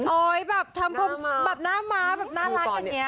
โอ้ยแบบทำผงแบบหน้าม้าแบบน่ารักแบบเนี้ย